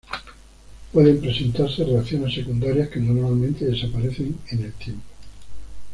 Pueden presentarse reacciones secundarias, que normalmente desaparecen en el tiempo.